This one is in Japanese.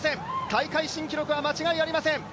大会新記録は間違いありません。